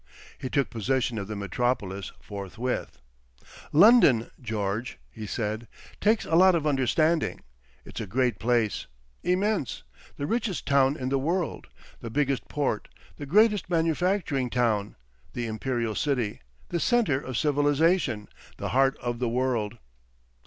He took possession of the metropolis forthwith. "London, George," he said, "takes a lot of understanding. It's a great place. Immense. The richest town in the world, the biggest port, the greatest manufacturing town, the Imperial city—the centre of civilisation, the heart of the world!